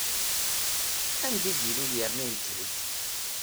Anda ay d-ilul yerna yenker-d?